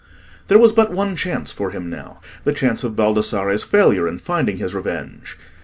There was but one chance for him now; the chance of Baldassarre's failure in finding his revenge.